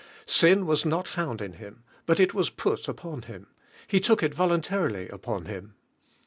Sin was not found iu Him, but it was put upon Him, He took it voluntarily upon Him.